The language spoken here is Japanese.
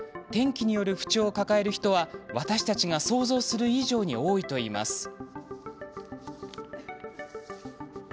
天気による不調を抱える人は私たちが想像する以上に多いといいます。